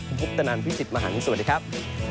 คุณภูกตนันพี่สิทธิ์มหานครับสวัสดีครับ